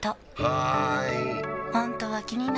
はーい！